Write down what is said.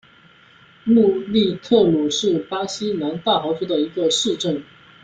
穆利特努是巴西南大河州的一个市镇。